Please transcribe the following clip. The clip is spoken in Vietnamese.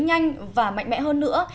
nhanh và mạnh mẽ hơn nữa